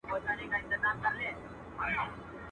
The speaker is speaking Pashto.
o هم ئې قسم واخستى، هم ئې دعوه بايلول.